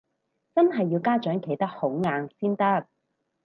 真係要家長企得好硬先得